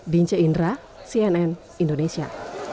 dince indra cnn indonesia